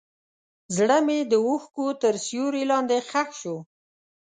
زړه مې د اوښکو تر سیوري لاندې ښخ شو.